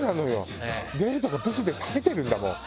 デブとかブスで食べてるんだもん。